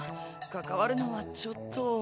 かかわるのはちょっと。